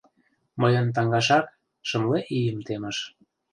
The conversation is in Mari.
«Мыйын таҥашак — шымле ийым темыш».